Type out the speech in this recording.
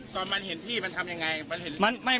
ตอนมันเห็นพี่มันทำยังไง